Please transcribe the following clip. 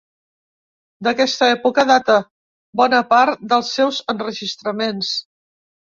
D'aquesta època data bona part dels seus enregistraments.